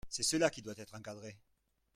C’est cela qui doit être encadré.